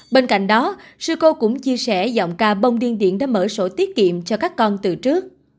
bên cạnh đó sư cô cũng chia sẻ giọng ca bông điên điển đã mở sổ tiết kiệm cho các con từ trước